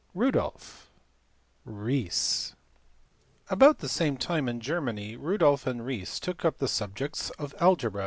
Rudolff. Riese. About the same time in Germany, Rudolff and Riese took up the subjects of algebra and * See pp.